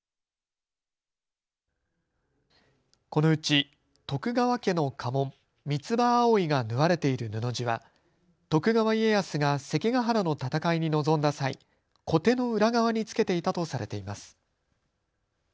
このうち徳川家の家紋、三つ葉葵が縫われている布地は徳川家康が関ヶ原の戦いに臨んだ際、こての裏側につけていたとされています。